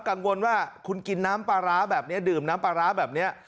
กังวลว่าคุณกินน้ำปลาร้าแบบนี้ดื่มน้ำปลาร้าแบบนี้